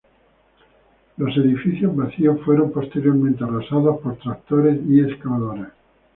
Los edificios vacíos fueron posteriormente arrasados por tractores y excavadoras.